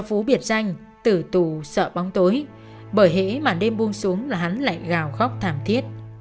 phú biệt danh tử tù sợ bóng tối bởi hễ mà đêm buông xuống là hắn lại gào góc thảm thiết